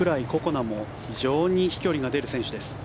那も非常に飛距離が出る選手です。